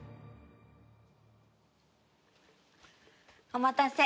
お待たせ。